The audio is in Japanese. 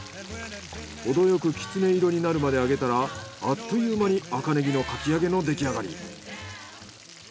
ほどよくキツネ色になるまで揚げたらあっという間に赤ネギのかき揚げのできあがり。